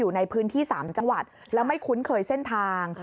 ในพื้นที่๓จังหวัดแล้วไม่คุ้นเคยเส้นทาง